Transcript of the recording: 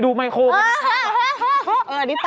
อยู่ก่อนนี้นะ